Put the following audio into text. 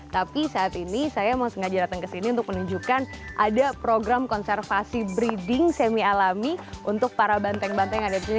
tapi saat ini saya mau sengaja datang ke sini untuk menunjukkan ada program konservasi breeding semi alami untuk para banteng banteng yang ada di sini